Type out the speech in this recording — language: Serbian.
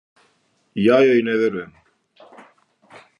Ја јој не верујем.